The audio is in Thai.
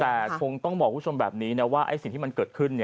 แต่คงต้องบอกคุณผู้ชมแบบนี้นะว่าสิ่งที่มันเกิดขึ้น